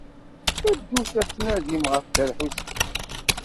Ddut ad d-tnadim ɣef Dda Lḥusin.